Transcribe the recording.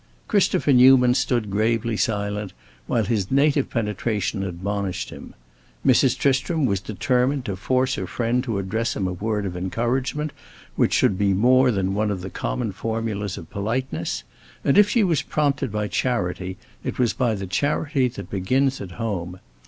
Christopher Newman stood gravely silent, while his native penetration admonished him. Mrs. Tristram was determined to force her friend to address him a word of encouragement which should be more than one of the common formulas of politeness; and if she was prompted by charity, it was by the charity that begins at home.